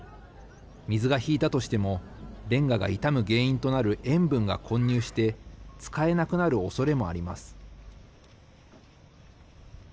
水が引いたとしてもれんがが傷む原因となる塩分が混入して使えなくなるおそれもあります。